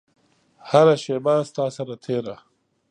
هره شیبه ستا سره تیره